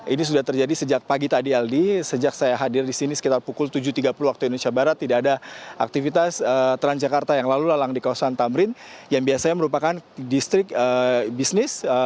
ini sudah terjadi sejak pagi tadi aldi sejak saya hadir di sini sekitar pukul tujuh tiga puluh waktu indonesia barat tidak ada aktivitas transjakarta yang lalu lalang di kawasan tamrin yang biasanya merupakan distrik bisnis